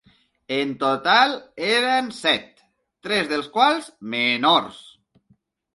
En total eren set, tres dels quals menors.